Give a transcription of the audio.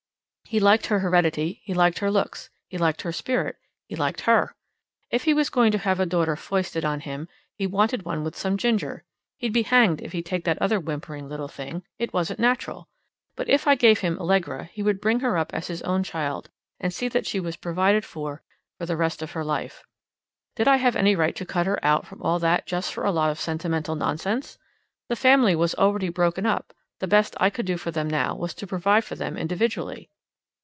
He liked her heredity, he liked her looks, he liked her spirit, he liked HER. If he was going to have a daughter foisted on him, he wanted one with some ginger. He'd be hanged if he'd take that other whimpering little thing. It wasn't natural. But if I gave him Allegra, he would bring her up as his own child, and see that she was provided for for the rest of her life. Did I have any right to cut her out from all that just for a lot of sentimental nonsense? The family was already broken up; the best I could do for them now was to provide for them individually.